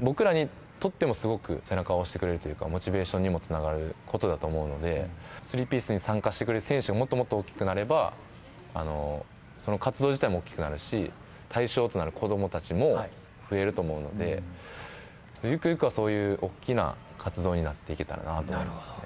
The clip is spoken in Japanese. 僕らにとっても、すごく背中を押してくれるというか、モチベーションにもつながることだと思うので、スリーピースに参加してくれる選手がもっともっと大きくなれば、その活動自体も大きくなるし、対象となる子どもたちも増えると思うんで、ゆくゆくはそういうおっきな活動になっていけたらなと思います。